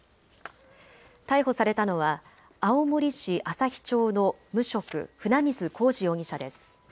逮捕されたのは青森市旭町の無職、船水公慈容疑者です。